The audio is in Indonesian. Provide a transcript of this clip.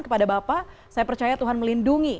kepada bapak saya percaya tuhan melindungi